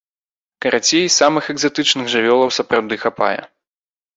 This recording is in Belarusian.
Карацей, самых экзатычных жывёлаў сапраўды хапае.